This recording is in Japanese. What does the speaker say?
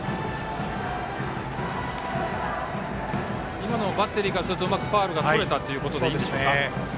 今のは、バッテリーからするとうまくファウルがとれたということでいいんでしょうか。